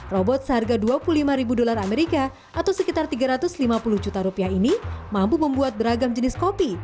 robot seharga dua puluh lima ribu dolar amerika atau sekitar tiga ratus lima puluh juta rupiah ini mampu membuat beragam jenis kopi